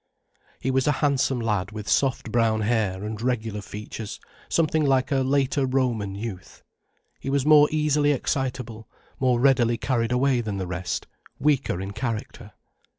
He was a handsome lad with soft brown hair and regular features something like a later Roman youth. He was more easily excitable, more readily carried away than the rest, weaker in character.